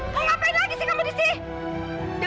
mau ngapain lagi sih kamu disini